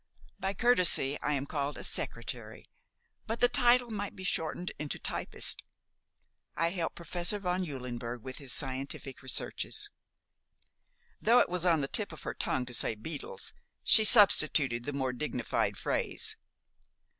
By courtesy I am called a 'secretary'; but the title might be shortened into 'typist.' I help Professor von Eulenberg with his scientific researches." Though it was on the tip of her tongue to say "beetles," she substituted the more dignified phrase.